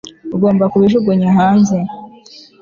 Ugomba kubijugunya hanze